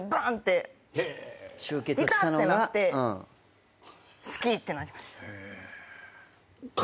ビタってなって好きってなりました。